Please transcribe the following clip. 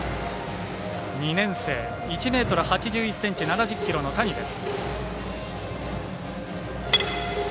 ２年生１ｍ８１ｃｍ、７０ｋｇの谷です。